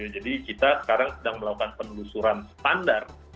jadi kita sekarang sedang melakukan penelusuran standar